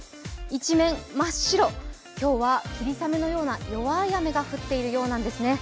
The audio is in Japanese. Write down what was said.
一面真っ白、今日は霧雨のような弱い雨が降っているようなんですね。